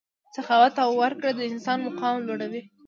سخاوت او ورکړه د انسان مقام لوړوي.